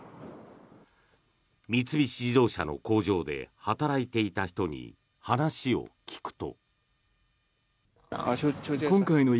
三菱自動車の工場で働いていた人に話を聞くと。